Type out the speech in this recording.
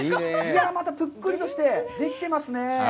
またぷっくりとして、できていますね。